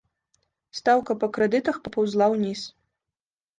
Стаўка па крэдытах папаўзла ўніз.